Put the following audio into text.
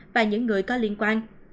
và những người có liên quan